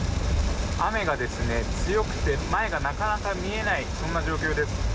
雨が強くて前がなかなか見えないそんな状況です。